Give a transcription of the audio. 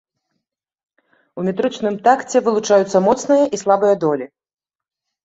У метрычным такце вылучаюцца моцныя і слабыя долі.